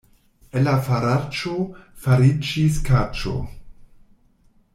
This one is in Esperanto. El la faraĉo fariĝis kaĉo.